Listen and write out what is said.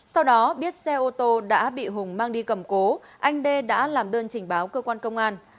sau đó biết xe ô tô đã bị hùng mang đi cầm cố anh đê đã làm đơn trình báo cơ quan công an